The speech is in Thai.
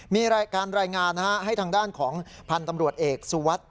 มีการรายงานให้ทางด้านของพันธุ์ตำรวจเอกสุวัสดิ์